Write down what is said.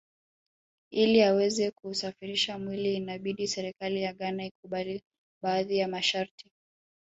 Ili aweze kuusafirisha mwili inabidi serikali ya Ghana ikubali baadhi ya masharti